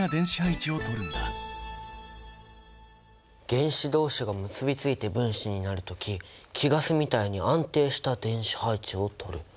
原子同士が結びついて分子になる時貴ガスみたいに安定した電子配置をとる。